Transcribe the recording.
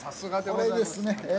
これですね。